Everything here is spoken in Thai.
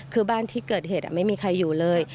คือบ้านที่เกิดเหตุไม่มีใครอยู่เลย